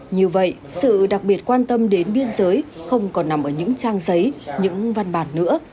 như vậy sự đặc biệt quan tâm đến biên giới không còn nằm ở những trang giấy những văn bản nữa